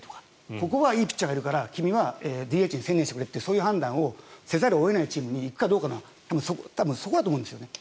ここはいいピッチャーがいるから君はＤＨに専念してくれという判断をせざるを得ないチームに行くかどうかのそこだと思うんですね。